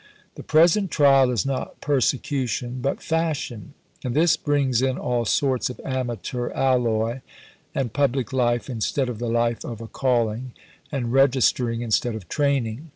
The present trial is not persecution but fashion; and this brings in all sorts of amateur alloy, and public life instead of the life of a calling, and registering instead of training.